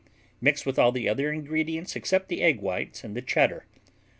Mix with all the other ingredients except the egg whites and the Cheddar.